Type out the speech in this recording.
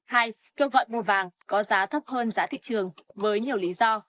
hai kêu gọi mua vàng có giá thấp hơn giá thị trường với nhiều lý do